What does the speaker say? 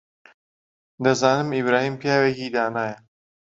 دەزانم ئیبراهیم پیاوێکی دانایە.